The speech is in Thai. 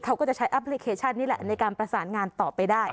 เขาก็จะใช้แอปพลิเคชันนี่แหละในการประสานงานต่อไปได้